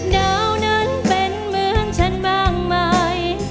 หนาวนั้นเป็นเมืองฉันบ้างไหม